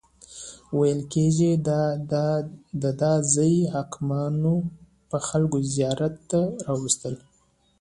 ویل کیږي دده ځایي حاکمانو به خلک زیارت ته راوستل.